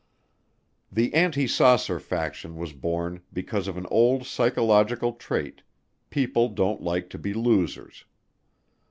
The anti saucer faction was born because of an old psychological trait, people don't like to be losers.